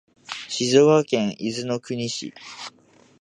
静岡県伊豆の国市